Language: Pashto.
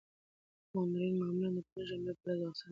مامورین معمولاً د پنجشنبې په ورځ وخته رخصتېږي.